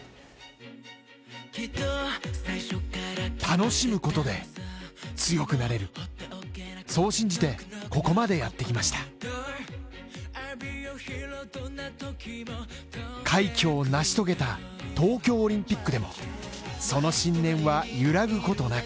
楽しむことで強くなれるそう信じてここまでやってきました快挙を成し遂げた東京オリンピックでもその信念は揺らぐことなく